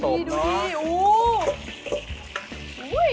ดูดิดูดิอู้ย